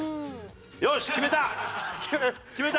よし決めた！